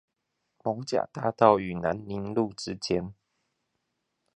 艋舺大道與南寧路之間